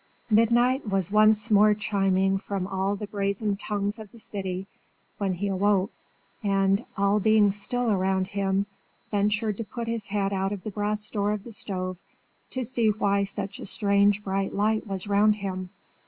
Midnight was once more chiming from all the brazen tongues of the city when he awoke, and, all being still around him, ventured to put his head out of the brass door of the stove to see why such a strange bright light was round him.